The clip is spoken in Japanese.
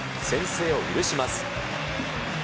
先制を許します。